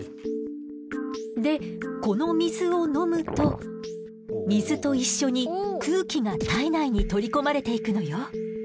でこの水を飲むと水と一緒に空気が体内に取り込まれていくのよ。